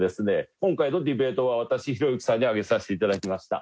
今回のディベートは私ひろゆきさんに上げさせて頂きました。